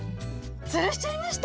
つるしちゃいました？